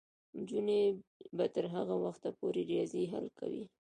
نجونې به تر هغه وخته پورې ریاضي حل کوي.